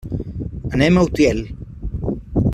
Anem a Utiel.